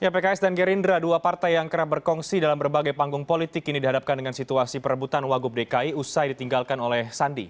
pks dan gerindra dua partai yang kerap berkongsi dalam berbagai panggung politik ini dihadapkan dengan situasi perebutan wagub dki usai ditinggalkan oleh sandi